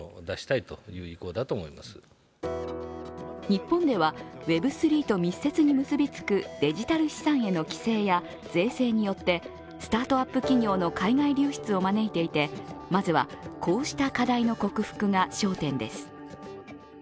日本ではＷｅｂ３．０と密接に結び付くデジタル資産への規制や税制によってスタートアップ企業の海外流出を招いていてまずはこうした課題の克服が焦点です。